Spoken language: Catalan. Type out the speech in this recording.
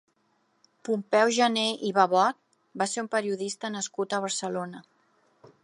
Pompeu Gener i Babot va ser un periodista nascut a Barcelona.